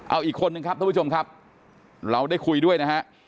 เอาอีกคนนึงครับท่านผู้ชมครับเราได้คุยด้วยนะฮะ